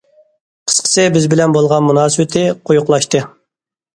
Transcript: قىسقىسى، بىز بىلەن بولغان مۇناسىۋىتى قويۇقلاشتى.